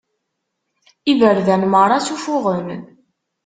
Iberdan merra sufuɣen.